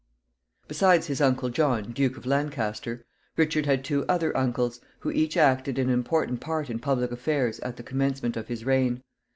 Besides his uncle John, Duke of Lancaster, Richard had two other uncles, who each acted an important part in public affairs at the commencement of his reign.